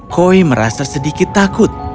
koi merasa sedikit takut